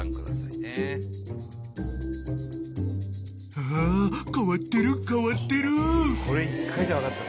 ［あ変わってる変わってる］